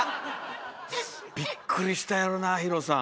びっくりしたやろなＨＩＲＯさん。